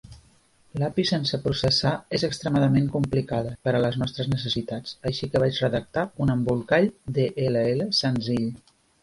L'API sense processar és extremadament complicada per a les nostres necessitats, així que vaig redactar un embolcall DLL senzill.